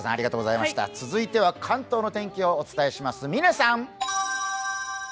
続いては関東の天気をお伝えします。